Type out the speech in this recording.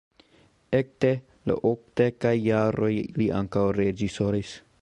Ekde la okdekaj jaroj li ankaŭ reĝisoris.